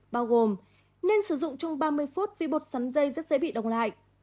bao gồm nên sử dụng trong ba mươi phút vì bột sắn dây rất dễ bị đông lạnh